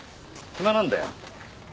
暇なんだよ。